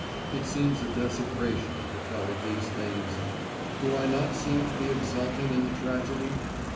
It seems a desecration to tell of these things. Do I not seem to be exulting in the tragedy?